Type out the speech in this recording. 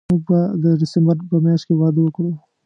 موږ به د ډسمبر په میاشت کې واده وکړو